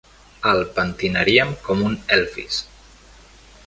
El pentinaríem com un Elvis.